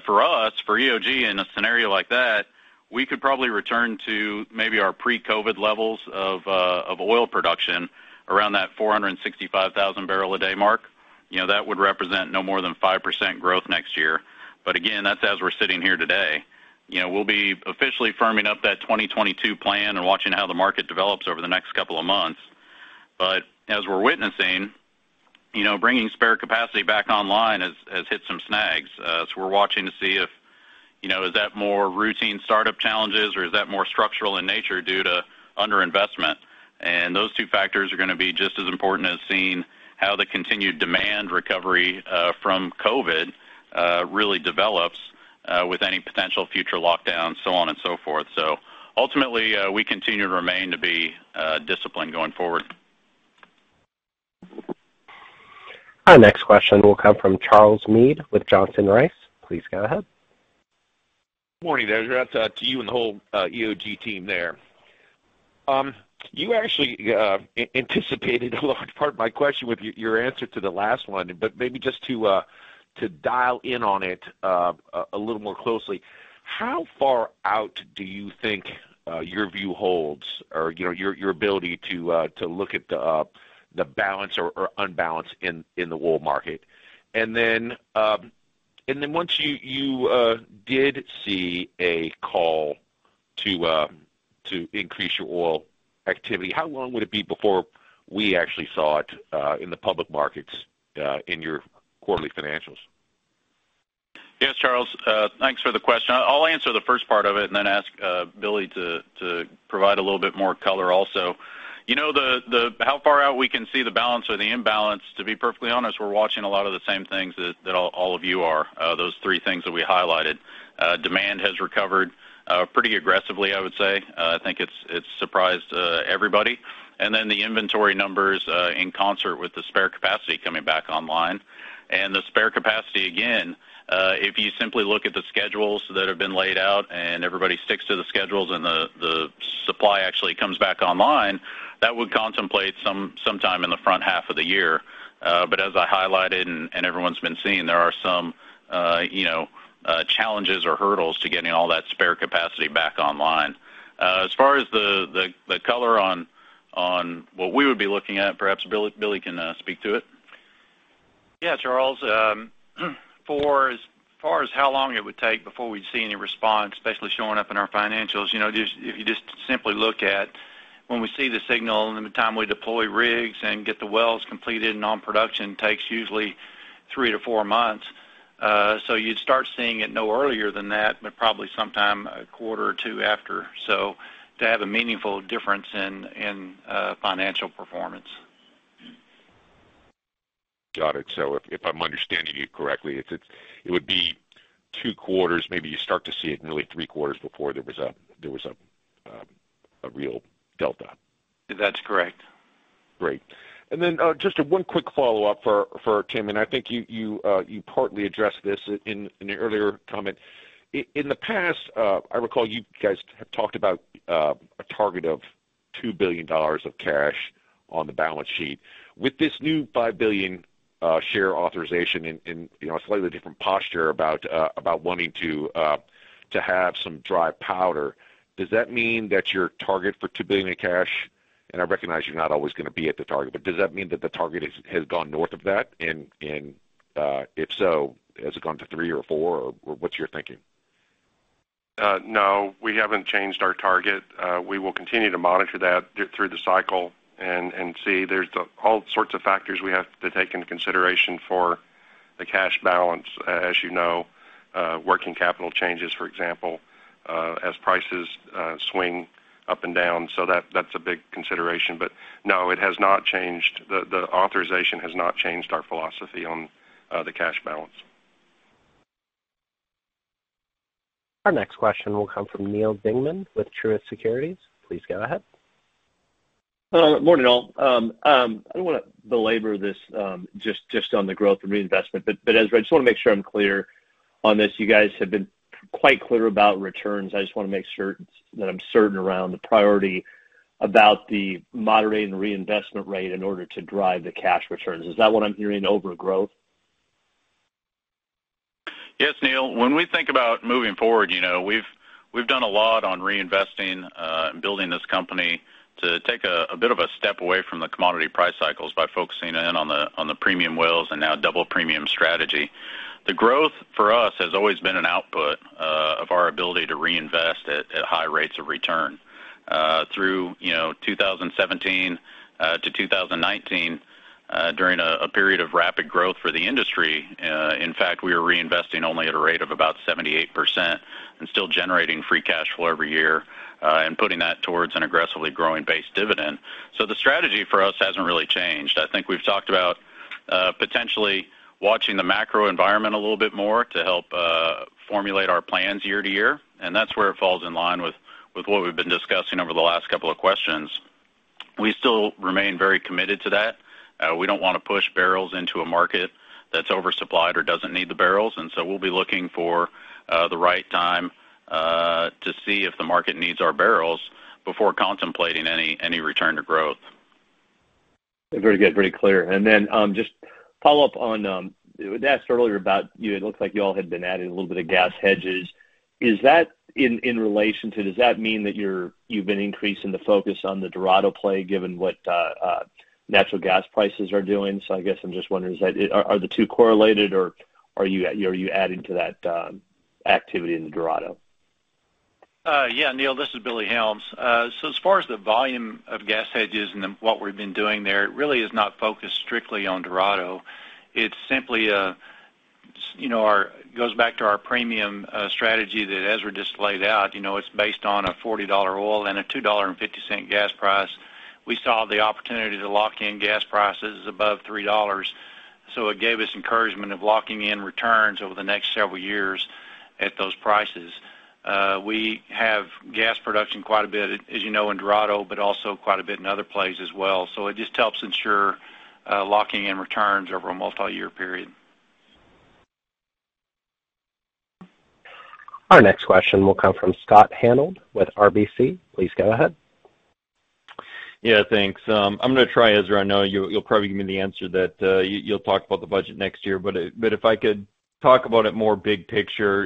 For us, for EOG in a scenario like that, we could probably return to maybe our pre-COVID levels of oil production around that 465,000 barrel a day mark. You know, that would represent no more than 5% growth next year. Again, that's as we're sitting here today. You know, we'll be officially firming up that 2022 plan and watching how the market develops over the next couple of months. As we're witnessing, you know, bringing spare capacity back online has hit some snags. We're watching to see if, you know, is that more routine startup challenges or is that more structural in nature due to under-investment? Those two factors are gonna be just as important as seeing how the continued demand recovery from COVID really develops with any potential future lockdowns, so on and so forth. Ultimately, we continue to remain to be disciplined going forward. Our next question will come from Charles Meade with Johnson Rice. Please go ahead. Morning there. Shout out to you and the whole EOG team there. You actually anticipated a large part of my question with your answer to the last one, but maybe just to dial in on it a little more closely, how far out do you think your view holds or, you know, your ability to look at the balance or unbalance in the oil market? Once you did see a call to increase your oil activity, how long would it be before we actually saw it in the public markets in your quarterly financials? Yes, Charles, thanks for the question. I'll answer the first part of it and then ask Billy to provide a little bit more color also. You know, how far out we can see the balance or the imbalance, to be perfectly honest, we're watching a lot of the same things that all of you are, those three things that we highlighted. Demand has recovered pretty aggressively, I would say. I think it's surprised everybody. The inventory numbers, in concert with the spare capacity coming back online. The spare capacity, again, if you simply look at the schedules that have been laid out and everybody sticks to the schedules and the supply actually comes back online, that would contemplate some time in the front half of the year. As I highlighted and everyone's been seeing, there are some challenges or hurdles to getting all that spare capacity back online. As far as the color on what we would be looking at, perhaps Billy can speak to it. Yeah, Charles. For as far as how long it would take before we'd see any response, especially showing up in our financials, if you just simply look at when we see the signal and the time we deploy rigs and get the wells completed and on production takes usually 3-4 months. You'd start seeing it no earlier than that, but probably sometime a quarter or 2 after. To have a meaningful difference in financial performance. Got it. If I'm understanding you correctly, it would be two quarters, maybe you start to see it in really three quarters before there was a real delta. That's correct. Great. Just one quick follow-up for Tim, and I think you partly addressed this in your earlier comment. In the past, I recall you guys have talked about a target of $2 billion of cash on the balance sheet. With this new $5 billion share authorization and, you know, a slightly different posture about wanting to have some dry powder, does that mean that your target for $2 billion in cash, and I recognize you're not always gonna be at the target, but does that mean that the target has gone north of that? And if so, has it gone to 3 or 4? Or what's your thinking? No, we haven't changed our target. We will continue to monitor that through the cycle and see. There's all sorts of factors we have to take into consideration for the cash balance, as you know, working capital changes, for example, as prices swing up and down. That, that's a big consideration. No, it has not changed. The authorization has not changed our philosophy on the cash balance. Our next question will come from Neal Dingmann with Truist Securities. Please go ahead. Morning, all. I don't wanna belabor this, just on the growth and reinvestment, but Ezra, I just wanna make sure I'm clear on this. You guys have been quite clear about returns. I just wanna make certain that I'm certain around the priority about the moderation and reinvestment rate in order to drive the cash returns. Is that what I'm hearing over growth? Yes, Neil. When we think about moving forward, you know, we've done a lot on reinvesting and building this company to take a bit of a step away from the commodity price cycles by focusing in on the Premium wells and now Double Premium strategy. The growth for us has always been an output of our ability to reinvest at high rates of return. Through, you know, 2017 to 2019, during a period of rapid growth for the industry, in fact, we were reinvesting only at a rate of about 78% and still generating free cash flow every year and putting that towards an aggressively growing base dividend. The strategy for us hasn't really changed. I think we've talked about potentially watching the macro environment a little bit more to help formulate our plans year to year, and that's where it falls in line with what we've been discussing over the last couple of questions. We still remain very committed to that. We don't wanna push barrels into a market that's oversupplied or doesn't need the barrels, and so we'll be looking for the right time to see if the market needs our barrels before contemplating any return to growth. Very good. Very clear. Just follow up on that's earlier about you. It looks like you all had been adding a little bit of gas hedges. Is that in relation to, does that mean that you've been increasing the focus on the Dorado play, given what natural gas prices are doing? I guess I'm just wondering, are the two correlated, or are you adding to that activity in the Dorado? Yeah, Neil, this is Billy Helms. As far as the volume of gas hedges and then what we've been doing there, it really is not focused strictly on Dorado. It's simply, you know. It goes back to our Premium strategy that Ezra just laid out. You know, it's based on a $40 oil and a $2.50 gas price. We saw the opportunity to lock in gas prices above $3, so it gave us encouragement of locking in returns over the next several years at those prices. We have gas production quite a bit, as you know, in Dorado, but also quite a bit in other places as well. It just helps ensure locking in returns over a multiyear period. Our next question will come from Scott Hanold with RBC. Please go ahead. Yeah, thanks. I'm gonna try, Ezra. I know you'll probably give me the answer that you'll talk about the budget next year. But if I could talk about it more big picture.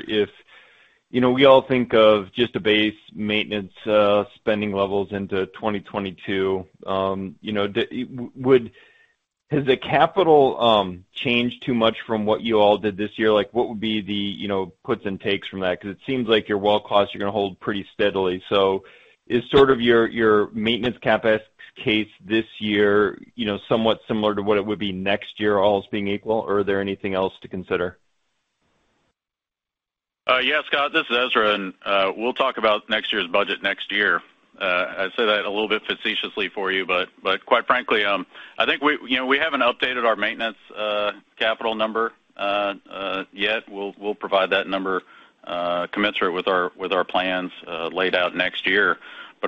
You know, we all think of just a base maintenance spending levels into 2022. You know, has the capital changed too much from what you all did this year? Like, what would be the, you know, puts and takes from that? Because it seems like your well costs are gonna hold pretty steadily. So is sort of your maintenance CapEx case this year, you know, somewhat similar to what it would be next year, all else being equal, or are there anything else to consider? Yeah, Scott, this is Ezra, and we'll talk about next year's budget next year. I say that a little bit facetiously for you, but quite frankly, I think we, you know, we haven't updated our maintenance capital number yet. We'll provide that number commensurate with our plans laid out next year.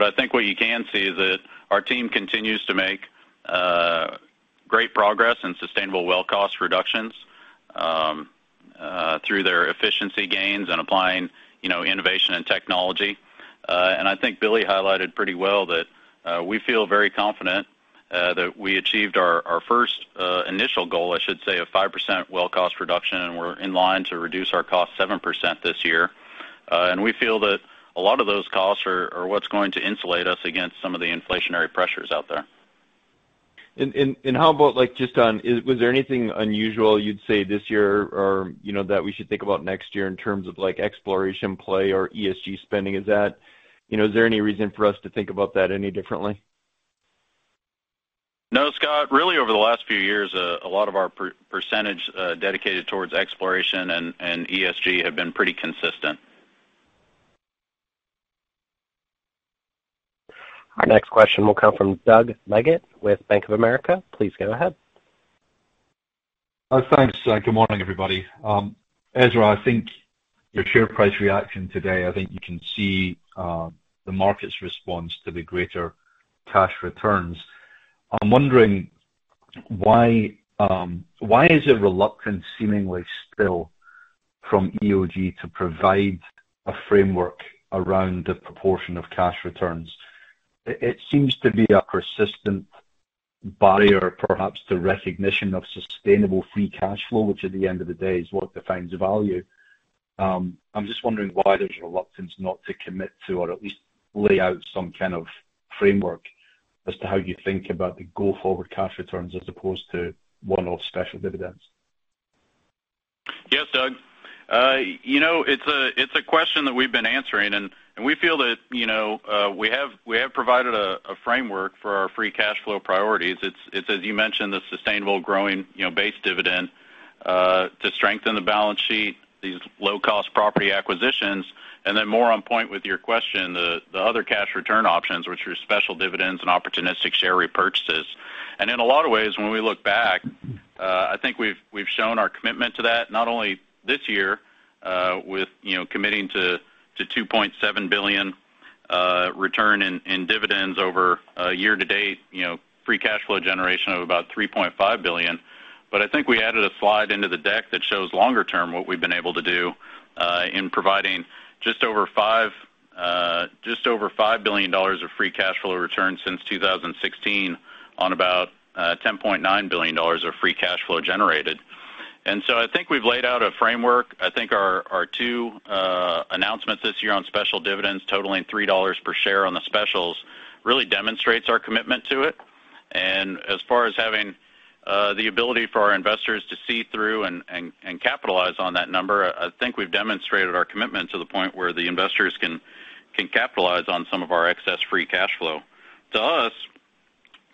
I think what you can see is that our team continues to make great progress in sustainable well cost reductions through their efficiency gains and applying, you know, innovation and technology. I think Billy highlighted pretty well that we feel very confident that we achieved our first initial goal, I should say, of 5% well cost reduction, and we're in line to reduce our cost 7% this year. We feel that a lot of those costs are what's going to insulate us against some of the inflationary pressures out there. How about, like, just was there anything unusual you'd say this year or, you know, that we should think about next year in terms of like exploration play or ESG spending? Is that. You know, is there any reason for us to think about that any differently? No, Scott. Really over the last few years, a lot of our percentage dedicated towards exploration and ESG have been pretty consistent. Our next question will come from Doug Leggate with Bank of America. Please go ahead. Thanks. Good morning, everybody. Ezra, I think your share price reaction today you can see the market's response to the greater cash returns. I'm wondering why is there reluctance seemingly still from EOG to provide a framework around the proportion of cash returns? It seems to be a persistent barrier, perhaps to recognition of sustainable free cash flow, which at the end of the day, is what defines value. I'm just wondering why there's a reluctance not to commit to, or at least lay out some kind of framework as to how you think about the go-forward cash returns as opposed to one-off special dividends. Yes, Doug. You know, it's a question that we've been answering, and we feel that, you know, we have provided a framework for our free cash flow priorities. It's, as you mentioned, the sustainable growing base dividend to strengthen the balance sheet, these low-cost property acquisitions. Then more on point with your question, the other cash return options, which are special dividends and opportunistic share repurchases. In a lot of ways, when we look back, I think we've shown our commitment to that not only this year, with committing to $2.7 billion return in dividends over year to date, you know, free cash flow generation of about $3.5 billion. I think we added a slide into the deck that shows longer term what we've been able to do in providing just over $5 billion of free cash flow returns since 2016 on about $10.9 billion of free cash flow generated. I think we've laid out a framework. I think our 2 announcements this year on special dividends totaling $3 per share on the specials really demonstrates our commitment to it. As far as having the ability for our investors to see through and capitalize on that number, I think we've demonstrated our commitment to the point where the investors can capitalize on some of our excess free cash flow. To us,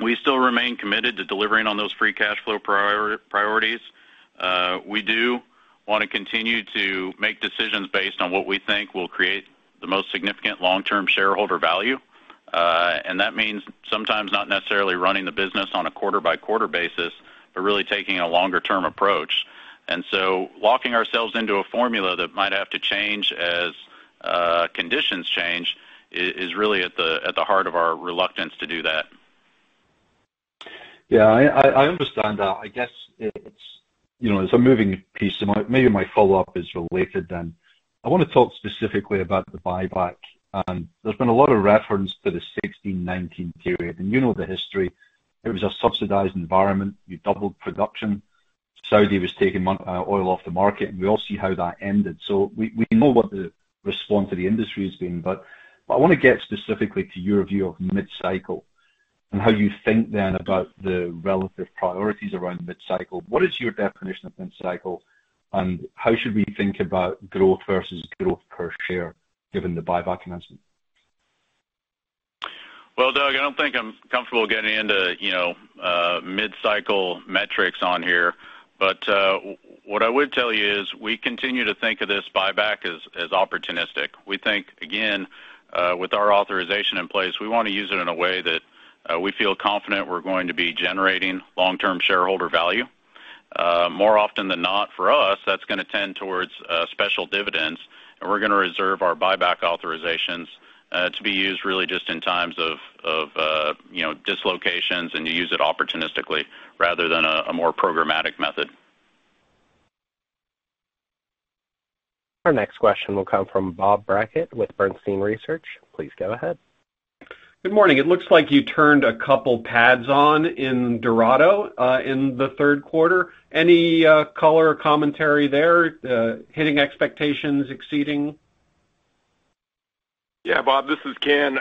we still remain committed to delivering on those free cash flow priorities. We do wanna continue to make decisions based on what we think will create the most significant long-term shareholder value. That means sometimes not necessarily running the business on a quarter-by-quarter basis, but really taking a longer-term approach. Locking ourselves into a formula that might have to change as conditions change is really at the heart of our reluctance to do that. Yeah, I understand that. I guess it's, you know, it's a moving piece. Maybe my follow-up is related then. I wanna talk specifically about the buyback. There's been a lot of reference to the 2016-2019 period, and you know the history. It was a subsidized environment. You doubled production. Saudi was taking oil off the market, and we all see how that ended. So we know what the response to the industry has been. But I wanna get specifically to your view of mid-cycle and how you think then about the relative priorities around mid-cycle. What is your definition of mid-cycle, and how should we think about growth versus growth per share given the buyback announcement? Well, Doug, I don't think I'm comfortable getting into, you know, mid-cycle metrics on here. What I would tell you is we continue to think of this buyback as opportunistic. We think, again, with our authorization in place, we wanna use it in a way that we feel confident we're going to be generating long-term shareholder value. More often than not, for us, that's gonna tend towards special dividends, and we're gonna reserve our buyback authorizations to be used really just in times of, you know, dislocations, and to use it opportunistically rather than a more programmatic method. Our next question will come from Bob Brackett with Bernstein Research. Please go ahead. Good morning. It looks like you turned a couple pads on in Dorado in the third quarter. Any color or commentary there? Hitting expectations, exceeding? Yeah, Bob, this is Ken.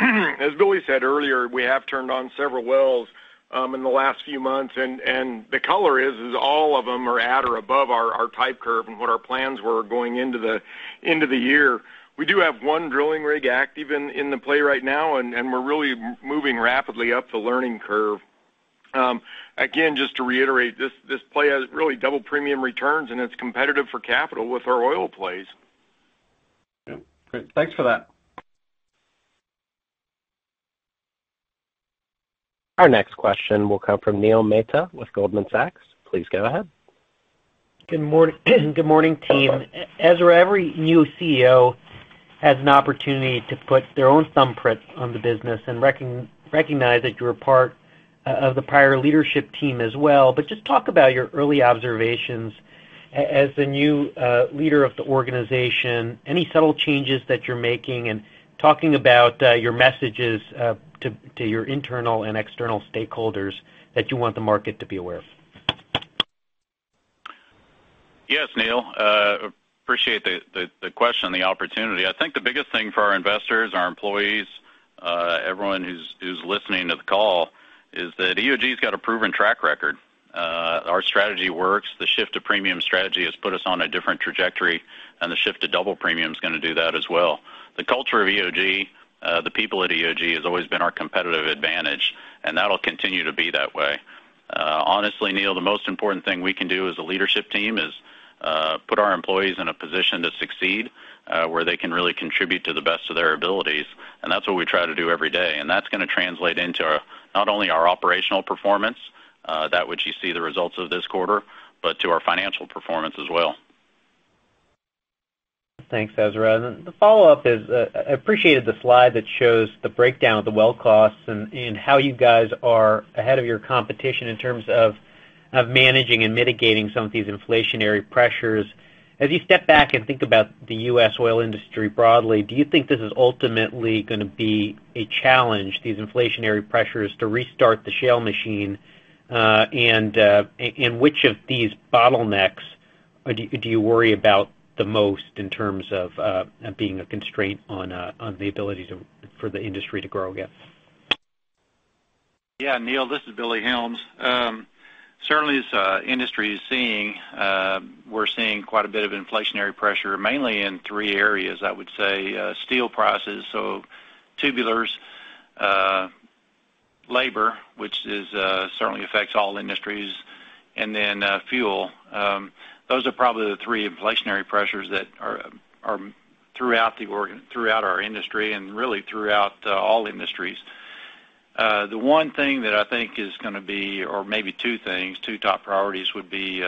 As Billy said earlier, we have turned on several wells in the last few months, and the color is all of them are at or above our type curve and what our plans were going into the year. We do have one drilling rig active in the play right now, and we're really moving rapidly up the learning curve. Again, just to reiterate, this play has really double premium returns, and it's competitive for capital with our oil plays. Yeah. Great. Thanks for that. Our next question will come from Neil Mehta with Goldman Sachs. Please go ahead. Good morning, team. Hello. Ezra, every new CEO has an opportunity to put their own thumbprint on the business, and recognize that you're a part of the prior leadership team as well. Just talk about your early observations as the new leader of the organization, any subtle changes that you're making, and talking about your messages to your internal and external stakeholders that you want the market to be aware of. Yes, Neil. Appreciate the question and the opportunity. I think the biggest thing for our investors, our employees, everyone who's listening to the call, is that EOG's got a proven track record. Our strategy works. The shift to Premium strategy has put us on a different trajectory, and the shift to Double Premium is gonna do that as well. The culture of EOG, the people at EOG has always been our competitive advantage, and that'll continue to be that way. Honestly, Neil, the most important thing we can do as a leadership team is put our employees in a position to succeed, where they can really contribute to the best of their abilities, and that's what we try to do every day. That's gonna translate into not only our operational performance, that which you see the results of this quarter, but to our financial performance as well. Thanks, Ezra. The follow-up is, I appreciated the slide that shows the breakdown of the well costs and how you guys are ahead of your competition in terms of managing and mitigating some of these inflationary pressures. As you step back and think about the U.S. oil industry broadly, do you think this is ultimately gonna be a challenge, these inflationary pressures, to restart the shale machine? Which of these bottlenecks do you worry about the most in terms of being a constraint on the ability for the industry to grow again? Yeah, Neil, this is Billy Helms. Certainly as industry is seeing, we're seeing quite a bit of inflationary pressure, mainly in three areas, I would say. Steel prices, so tubulars, labor, which is certainly affects all industries, and then fuel. Those are probably the three inflationary pressures that are throughout our industry and really throughout all industries. The one thing that I think is gonna be, or maybe two things, two top priorities would be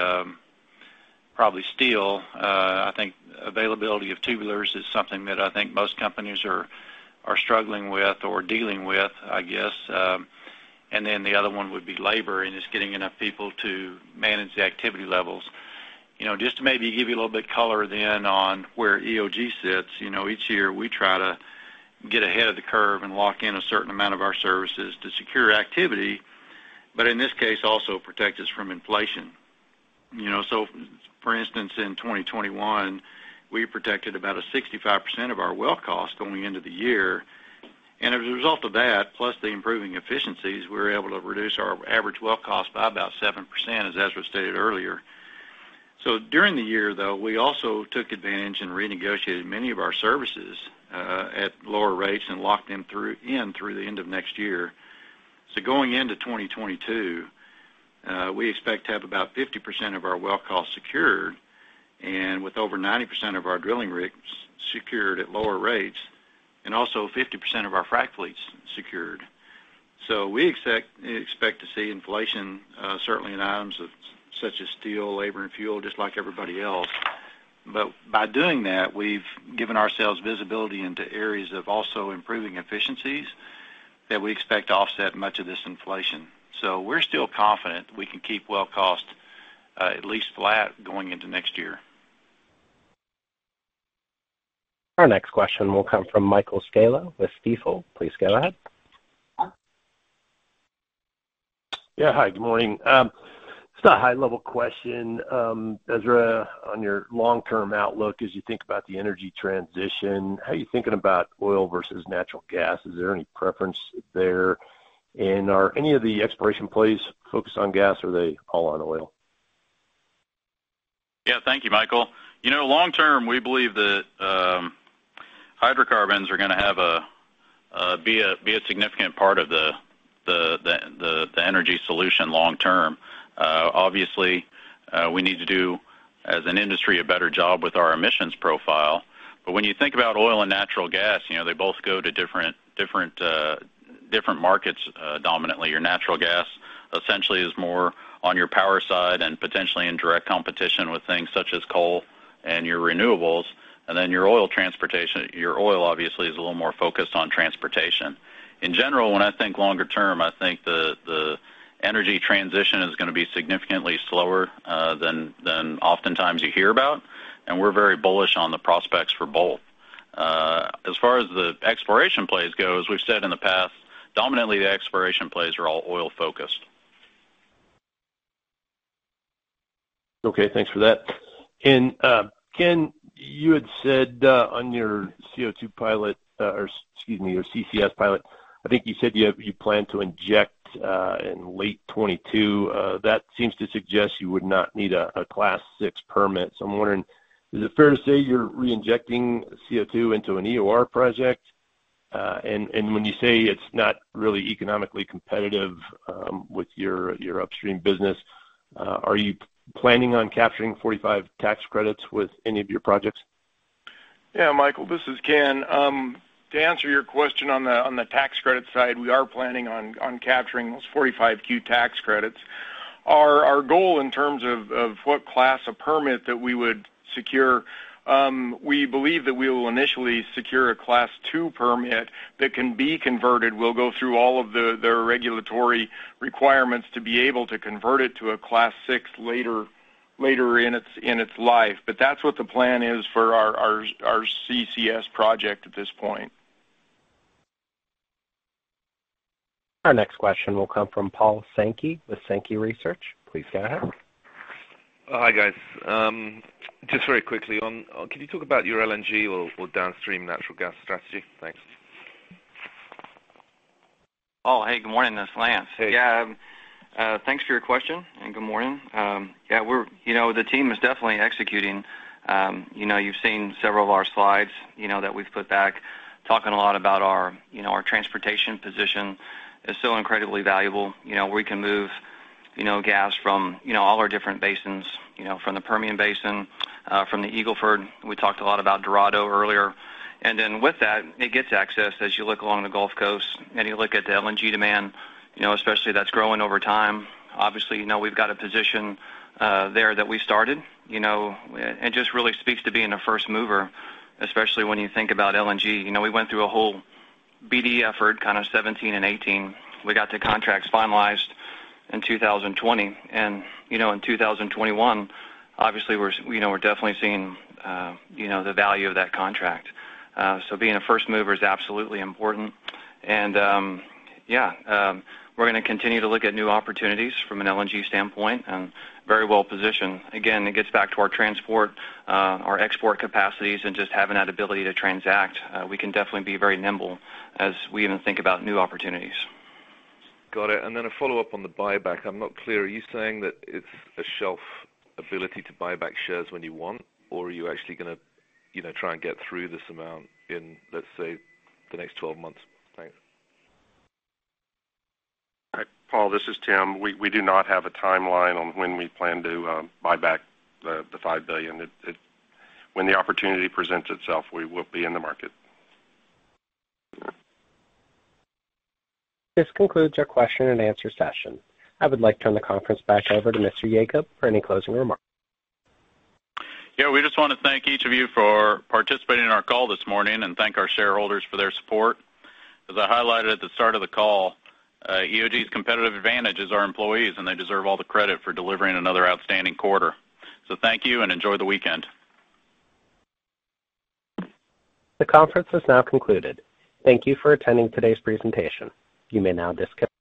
probably steel. I think availability of tubulars is something that I think most companies are struggling with or dealing with, I guess. Then the other one would be labor, and it's getting enough people to manage the activity levels. You know, just to maybe give you a little bit color then on where EOG sits, you know, each year, we try to get ahead of the curve and lock in a certain amount of our services to secure activity, but in this case, also protect us from inflation. You know, for instance, in 2021, we protected about 65% of our well cost going into the year. As a result of that, plus the improving efficiencies, we were able to reduce our average well cost by about 7%, as Ezra stated earlier. During the year, though, we also took advantage and renegotiated many of our services at lower rates and locked them through the end of next year. Going into 2022, we expect to have about 50% of our well cost secured, and with over 90% of our drilling rigs secured at lower rates, and also 50% of our frac fleets secured. We expect to see inflation, certainly in items such as steel, labor, and fuel, just like everybody else. By doing that, we've given ourselves visibility into areas of also improving efficiencies that we expect to offset much of this inflation. We're still confident we can keep well cost at least flat going into next year. Our next question will come from Michael Scialla with Stifel. Please go ahead. Yeah. Hi, good morning. Just a high-level question, Ezra, on your long-term outlook. As you think about the energy transition, how are you thinking about oil versus natural gas? Is there any preference there? Are any of the exploration plays focused on gas, or are they all on oil? Yeah. Thank you, Michael. You know, long term, we believe that hydrocarbons are gonna have a be a significant part of the energy solution long term. Obviously, we need to do as an industry a better job with our emissions profile. When you think about oil and natural gas, you know, they both go to different markets dominantly. Your natural gas essentially is more on your power side and potentially in direct competition with things such as coal and your renewables, and then your oil transportation. Your oil obviously is a little more focused on transportation. In general, when I think longer term, I think the energy transition is gonna be significantly slower than oftentimes you hear about, and we're very bullish on the prospects for both. As far as the exploration plays goes, we've said in the past, dominantly the exploration plays are all oil-focused. Okay, thanks for that. Ken, you had said on your CO2 pilot, excuse me, your CCS pilot. I think you said you plan to inject in late 2022. That seems to suggest you would not need a Class VI permit. I'm wondering, is it fair to say you're reinjecting CO2 into an EOR project? When you say it's not really economically competitive with your upstream business, are you planning on capturing 45Q tax credits with any of your projects? Yeah, Michael, this is Ken. To answer your question on the tax credit side, we are planning on capturing those 45Q tax credits. Our goal in terms of what class of permit that we would secure, we believe that we will initially secure a Class II permit that can be converted. We'll go through all of the regulatory requirements to be able to convert it to a Class VI later in its life. But that's what the plan is for our CCS project at this point. Our next question will come from Paul Sankey with Sankey Research. Please go ahead. Hi, guys. Just very quickly, can you talk about your LNG or downstream natural gas strategy? Thanks. Paul, hey, good morning. This is Lance. Hey. Yeah, thanks for your question, and good morning. Yeah, you know, the team is definitely executing. You know, you've seen several of our slides, you know, that we've put out talking a lot about our, you know, our transportation position is so incredibly valuable. You know, we can move, you know, gas from, you know, all our different basins, you know, from the Permian Basin, from the Eagle Ford. We talked a lot about Dorado earlier. With that, it gets access as you look along the Gulf Coast, and you look at the LNG demand, you know, especially as that's growing over time. Obviously, you know, we've got a position there that we started, you know, and just really speaks to being a first mover, especially when you think about LNG. You know, we went through a whole BD effort, kind of 2017 and 2018. We got the contracts finalized in 2020. You know, in 2021, obviously we're definitely seeing the value of that contract. Being a first mover is absolutely important. We're gonna continue to look at new opportunities from an LNG standpoint and very well positioned. Again, it gets back to our transport, our export capacities, and just having that ability to transact. We can definitely be very nimble as we even think about new opportunities. Got it. A follow-up on the buyback. I'm not clear. Are you saying that it's a shelf ability to buy back shares when you want, or are you actually gonna, you know, try and get through this amount in, let's say, the next 12 months? Thanks. All right. Paul, this is Tim. We do not have a timeline on when we plan to buy back the $5 billion. When the opportunity presents itself, we will be in the market. This concludes our question and answer session. I would like to turn the conference back over to Mr. Yacob for any closing remarks. Yeah. We just wanna thank each of you for participating in our call this morning and thank our shareholders for their support. As I highlighted at the start of the call, EOG's competitive advantage is our employees, and they deserve all the credit for delivering another outstanding quarter. Thank you, and enjoy the weekend. The conference is now concluded. Thank you for attending today's presentation. You may now disconnect.